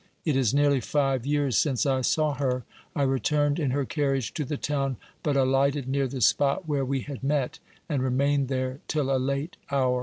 It is nearly five years since I saw her. I returned in her carriage to the town, but alighted near the spot where we had met, and remained there till a late hour.